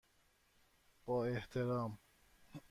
با احترام،